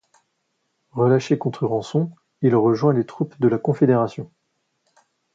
Relâché contre rançon, il rejoint les troupes de la confédération.